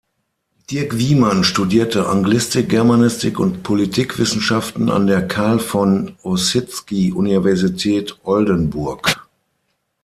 Dirk Wiemann studierte Anglistik, Germanistik und Politikwissenschaften an der Carl von Ossietzky Universität Oldenburg.